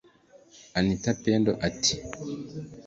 Anita Pendo ati